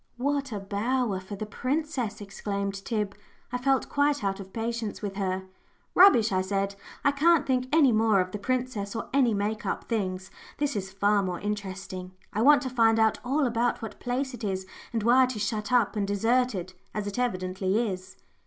"What a bower for the princess!" exclaimed Tib. I felt quite out of patience with her. "Rubbish!" I said, "I can't think any more of the princess or any make up things. This is far more interesting. I want to find out all about what place it is, and why it is shut up and deserted, as it evidently is."